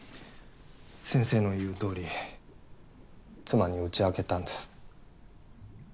先生の言う通り妻に打ち明けたんです。